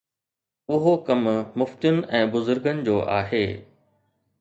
اهو ڪم مفتين ۽ بزرگن جو آهي.